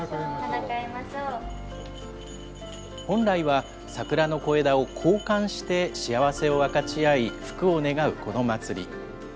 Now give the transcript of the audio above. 本来は桜の小枝を交換して幸せを分かち合い、福を願うこのまつり。